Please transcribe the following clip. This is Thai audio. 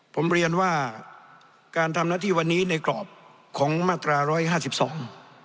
ผมเรียนว่าการทำหน้าที่วันนี้ในกรอบของมาตราร้อยห้าสิบสอง